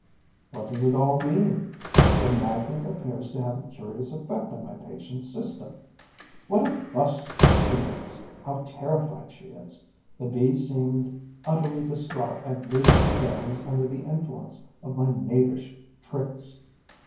What does it all mean? The magnet appears to have a curious effect on my patient's system! What a fuss she makes! How terrified she is! The Bee seemed utterly distraught at losing her bearings under the influence of my knavish tricks.